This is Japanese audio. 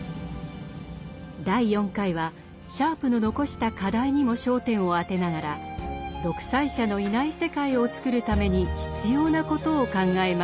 第４回はシャープの遺した課題にも焦点を当てながら独裁者のいない世界をつくるために必要なことを考えます。